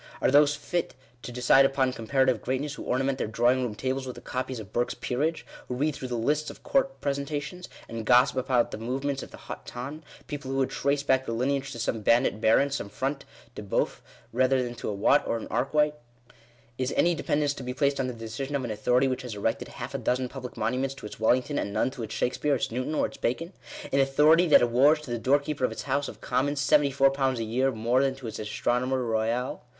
Are those fit to decide upon comparative greatness who orna ment their drawing room tables with a copy of Burke's Peerage ; who read through the lists of court presentations, and gossip about the movements. of the haut ton — people who would trace back their lineage to some bandit baron — some Front de bceuf, rather than to a Watt or an Arkwright? Is any depend ence to be placed on the decision of an authority which has erected half a dozen public monuments to its Wellington, and none to its Shakspeare, its Newton, or its Bacon ?— an authority that awards to the door keeper of its House of Commons £74 a year more than to its astronomer royal?